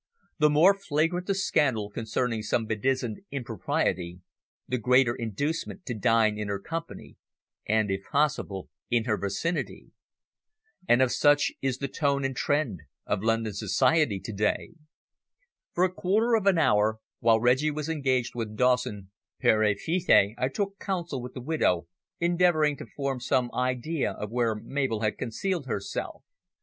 The more flagrant the scandal concerning some bedizened "impropriety" the greater the inducement to dine in her company, and, if possible, in her vicinity. Of such is the tone and trend of London society to day! For a quarter of an hour, while Reggie was engaged with Dawson pere et fille, I took counsel with the widow, endeavouring to form some idea of where Mabel had concealed herself.